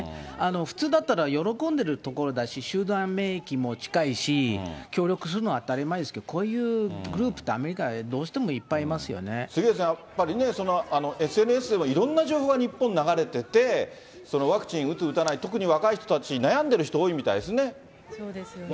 普通だったら喜んでるところだし、集団免疫も近いし、協力するのは当たり前ですけど、こういうループって、アメリカど杉上さん、やっぱりね、ＳＮＳでもいろんな情報が日本に流れてて、ワクチン打つ打たない、特に若い人たち、悩んでいる人多いみたいですね。